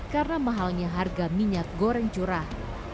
karena mahalnya harga minyak goreng curah